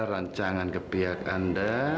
rancangan kepihak anda